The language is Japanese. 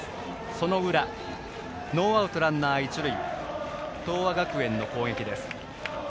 その裏ノーアウトランナー、一塁東亜学園の攻撃です。